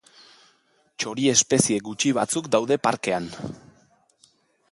Txori espezie gutxi batzuk daude parkean.